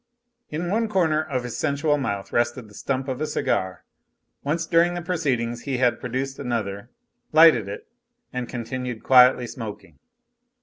In one corner of his sensual mouth rested the stump of a cigar. Once during the proceedings he had produced another, lighted it, and continued quietly smoking.